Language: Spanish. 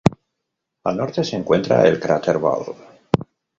Al norte se encuentra el cráter Ball.